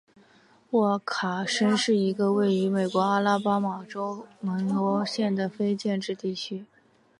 沃卡申是一个位于美国阿拉巴马州门罗县的非建制地区。